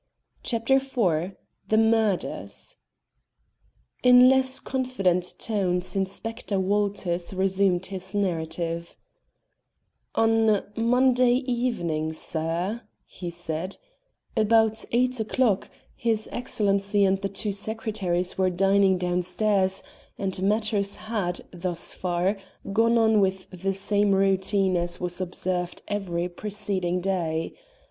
CHAPTER IV THE MURDERS In less confident tones Inspector Walters resumed his narrative "On Monday evening, sir," he said, "about eight o'clock, his Excellency and the two secretaries were dining downstairs, and matters had, thus far, gone on with the same routine as was observed every preceding day.